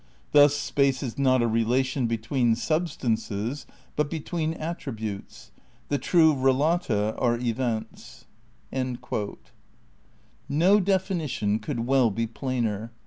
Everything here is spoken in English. Thus space is not a relation between sub stances but between attributes. ..."' "The true relata are events." ' No definition could well be plainer.